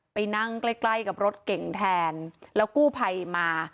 ไปนั่งใกล้ใกล้กับรถเก่งแทนแล้วกู้ภัยมา